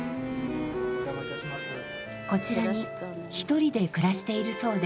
こちらに１人で暮らしているそうです。